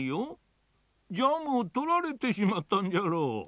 ジャムをとられてしまったんじゃろう。